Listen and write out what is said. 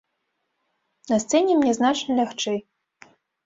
На сцэне мне значна лягчэй.